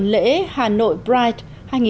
tuần lễ hà nội pride hai nghìn một mươi bảy